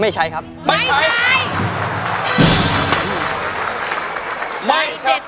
ใช้